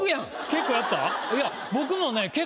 結構やった？いや。